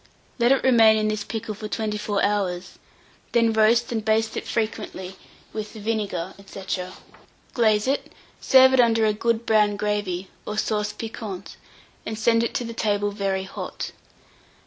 Let it remain in this pickle for 24 hours, then roast and baste it frequently with the vinegar, &c. glaze it, serve under it a good brown gravy, or sauce piquante, and send it to table very hot.